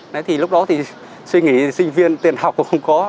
đấy thì lúc đó thì suy nghĩ sinh viên tiền học cũng không có